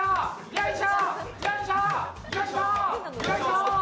よいしょ！